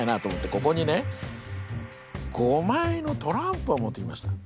ここにね５枚のトランプを持ってきました。